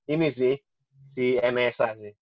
ini sih si enesa